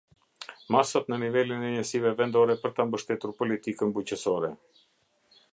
Masat në nivelin e njësive vendore për ta mbështetur politikën bujqësore.